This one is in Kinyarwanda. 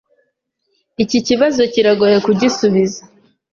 Iki kibazo kiragoye kugisubiza.